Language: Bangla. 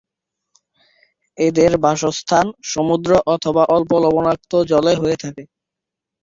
এদের বাসস্থান সমুদ্র অথবা অল্প লবণাক্ত জলে হয়ে থাকে।